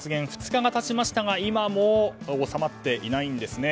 ２日が経ちましたが今も収まっていないんですね。